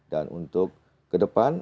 dan untuk kedepan